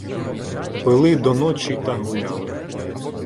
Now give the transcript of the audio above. Пили до ночі та гуляли